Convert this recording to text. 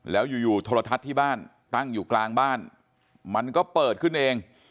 แล้วอยู่โทรทัศน์ที่บ้านตั้งอยู่กลางบ้านมันก็เปิดขึ้นเอง